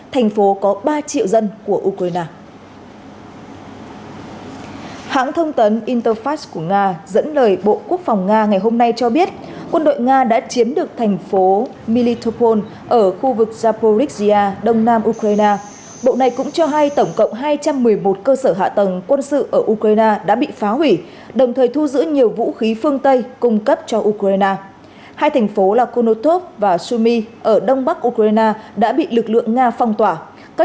thành phố có ba triệu dân của ukraine